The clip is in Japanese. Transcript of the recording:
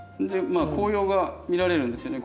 まあ紅葉が見られるんですよね。